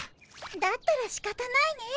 だったらしかたないね。